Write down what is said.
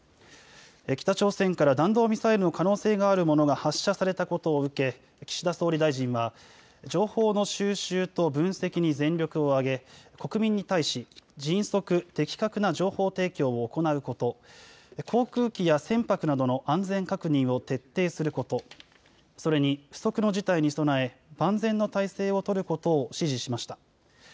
北朝鮮から弾道ミサイルの可能性があるものが発射されたことを受け岸田総理大臣は情報の収集と分析に全力を挙げ国民に対し、迅速、的確な情報提供を行うこと、航空機や船舶などの安全確認を徹底すること、それに不測の事態に備え万全の態勢を取ることを指示しました。